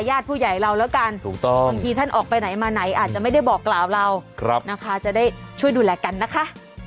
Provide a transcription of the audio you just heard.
ญาติผู้ใหญ่เราแล้วกันถูกต้องบางทีท่านออกไปไหนมาไหนอาจจะไม่ได้บอกกล่าวเรานะคะจะได้ช่วยดูแลกันนะคะ